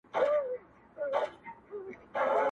o حسن كه گل نه وي خو ښكـلا پـكـــي مـــوجــــوده وي.